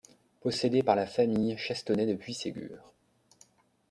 Possédée par la famille Chastenet de Puységur.